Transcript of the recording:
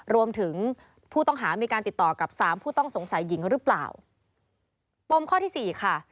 รวมถึงผู้ต้องหามีการติดต่อกับสามผู้ต้องสงสัยหญิงหรือเปล่าปมข้อที่สี่ค่ะ